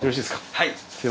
はい！